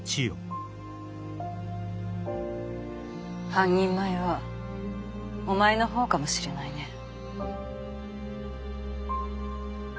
半人前はお前の方かもしれないねえ。